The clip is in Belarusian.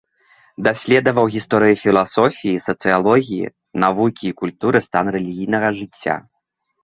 Даследаваў гісторыю філасофіі, сацыялогіі, навукі і культуры, стан рэлігійнага жыцця.